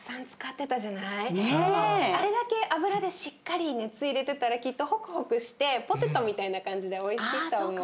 あれだけ油でしっかり熱入れてたらきっとホクホクしてポテトみたいな感じでおいしいと思う。